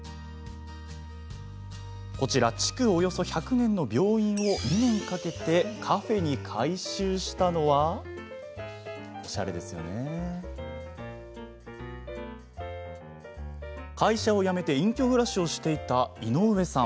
こちら築おそよ１００年の病院を２年かけてカフェに改修したのは会社をやめて隠居暮らしをしていた井上さん。